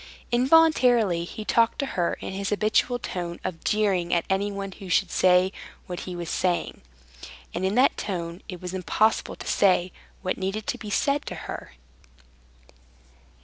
Involuntarily he talked to her in his habitual tone of jeering at anyone who should say what he was saying. And in that tone it was impossible to say what needed to be said to her.